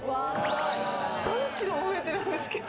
３キロも増えてるんですけど。